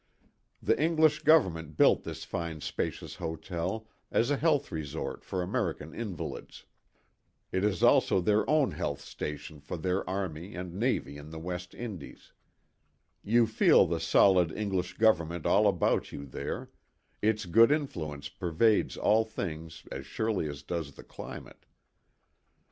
The English Government built this fine spacious hotel as a health resort for American invalids it is also their own health station for their army and navy in the West Indies; you feel the solid English Government all about you there ; its good influence pervades all things as surely as does the climate.